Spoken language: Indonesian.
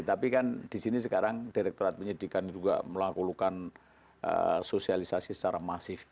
tapi kan di sini sekarang direkturat penyidikan juga melakukan sosialisasi secara masif